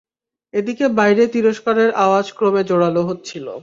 এদিকে বাইরে তিরস্কারের আওয়াজ ক্রমে জোরাল হচ্ছিল।